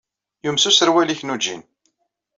Yumes userwal-nnek n ujean.